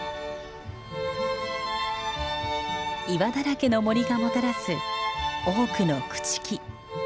岩だらけの森がもたらす多くの朽ち木。